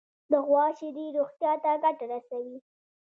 د غوا شیدې روغتیا ته ګټه رسوي.